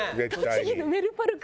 栃木のメルパルク？